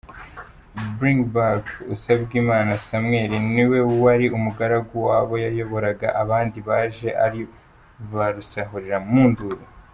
Bring back Usabwimana Samwuel niwe wari umugaragu wabo yayoboraga, abandi baje ari barusahurira munduru.